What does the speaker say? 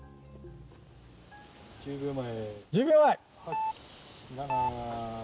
１０秒前。